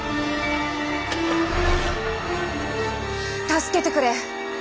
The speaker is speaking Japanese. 助けてくれ！